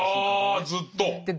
ああずっと。